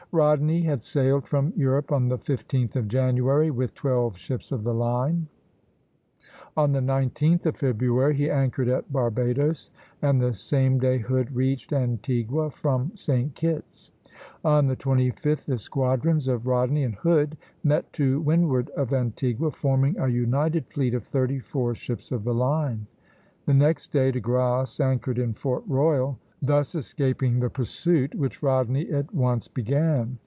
Rodney had sailed from Europe on the 15th of January, with twelve ships of the line. On the 19th of February he anchored at Barbadoes, and the same day Hood reached Antigua from St. Kitt's. On the 25th the squadrons of Rodney and Hood met to windward of Antigua, forming a united fleet of thirty four ships of the line. The next day De Grasse anchored in Fort Royal, thus escaping the pursuit which Rodney at once began.